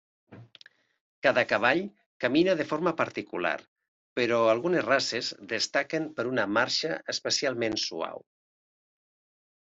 Cada cavall camina de forma particular però algunes races destaquen per una marxa especialment suau.